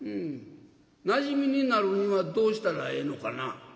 「なじみになるにはどうしたらええのかな？」。